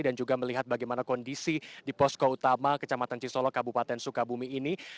dan juga melihat bagaimana kondisi di posko utama kecamatan cisolo kabupaten sukabumi ini